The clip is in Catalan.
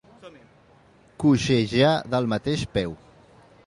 Coixejar del mateix peu.